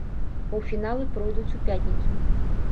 Паўфіналы пройдуць у пятніцу.